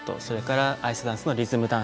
それからアイスダンスのリズム